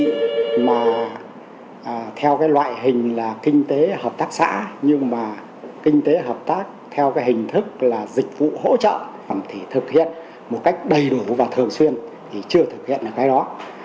cái mà theo cái loại hình là kinh tế hợp tác xã nhưng mà kinh tế hợp tác theo cái hình thức là dịch vụ hỗ trợ còn thì thực hiện một cách đầy đủ và thường xuyên thì chưa thực hiện được cái đó